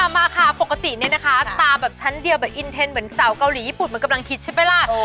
มาค่ะปกติเนี่ยนะคะตาแบบชั้นเดียวแบบอินเทนเหมือนเจ้าเกาหลีญี่ปุ่นเหมือนกำลังคิดใช่ไหมล่ะ